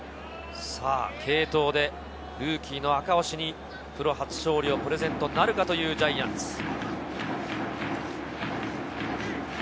継投でルーキーの赤星にプロ初勝利をプレゼントなるかというジャイアンツ。